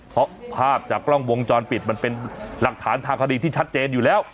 เพราะภาพจากกล้องวงจรปิดมันเป็นหลักฐานทางคดีที่ชัดเจนอยู่แล้ว